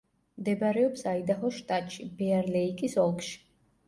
მდებარეობს აიდაჰოს შტატში, ბეარ-ლეიკის ოლქში.